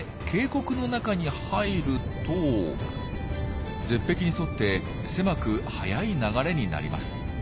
渓谷の中に入ると絶壁に沿って狭く速い流れになります。